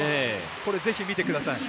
これ、ぜひ見てください。